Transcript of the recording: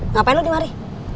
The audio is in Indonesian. ngapain lo di mari